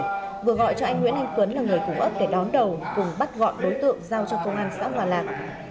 và vừa gọi cho anh nguyễn anh cấn là người cùng ấp để đón đầu cùng bắt gọn đối tượng giao cho công an xã hòa làng